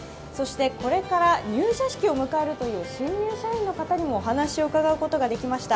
これから入社式を迎えるという新入社員の方にお話を伺いました。